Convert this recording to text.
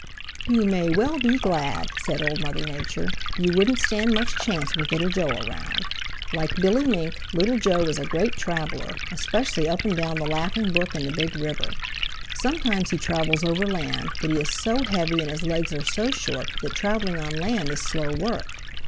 "You may well be glad," said Old Mother Nature. "You wouldn't stand much chance with Little Joe around. Like Billy Mink, Little Joe is a great traveler, especially up and down the Laughing Brook and the Big River. Sometimes he travels over land, but he is so heavy and his legs are so short that traveling on land is slow work.